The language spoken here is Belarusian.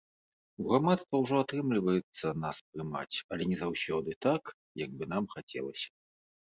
У грамадства ўжо атрымліваецца нас прымаць, але не заўсёды так, як бы нам хацелася.